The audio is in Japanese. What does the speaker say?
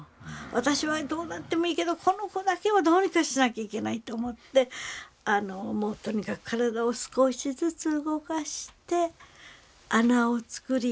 「私はどうなってもいいけどこの子だけはどうにかしなきゃいけない」と思ってとにかく体を少しずつ動かして穴を作り